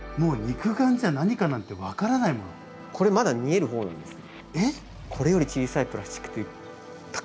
これまだ見える方なんですよ。えっ！？